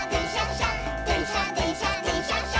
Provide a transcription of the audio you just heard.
しゃでんしゃでんしゃでんしゃっしゃ」